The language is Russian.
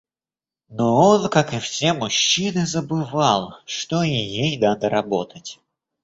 Но он, как и все мужчины, забывал, что и ей надо работать.